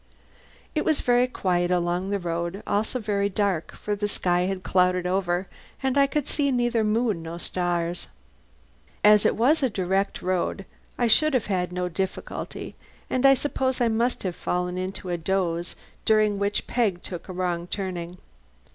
It was very quiet along the road, also very dark, for the sky had clouded over and I could see neither moon nor stars. As it was a direct road I should have had no difficulty, and I suppose I must have fallen into a doze during which Peg took a wrong turning.